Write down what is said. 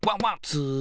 ツー。